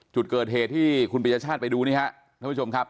จุดเกิดเหตุที่คุณปริญญชาติไปดูนี่ฮะท่านผู้ชมครับ